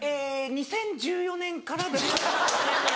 ２０１４年から。